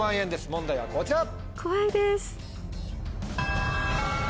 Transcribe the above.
問題はこちら！